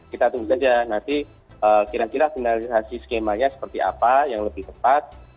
kita tunggu saja nanti kira kira finalisasi skemanya seperti apa yang lebih tepat